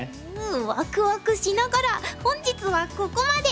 ワクワクしながら本日はここまで！